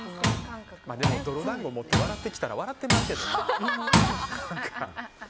でも泥団子笑って持ってきたら笑ってまうけどね。